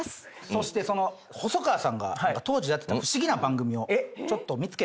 そしてその細川さんが当時やってた不思議な番組を見つけたみたいです